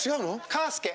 カースケ。